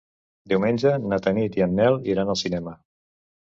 Diumenge na Tanit i en Nel iran al cinema.